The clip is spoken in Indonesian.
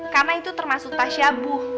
karena itu termasuk tasyabuh